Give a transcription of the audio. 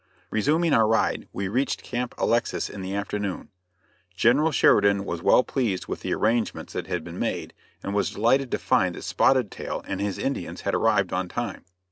Resuming our ride we reached Camp Alexis in the afternoon. General Sheridan was well pleased with the arrangements that had been made and was delighted to find that Spotted Tail and his Indians had arrived on time.